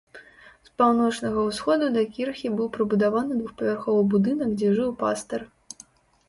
З паўночнага ўсходу да кірхі быў прыбудаваны двухпавярховы будынак, дзе жыў пастар.